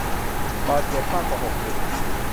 บาดเจ็บมากกว่าหกสิบ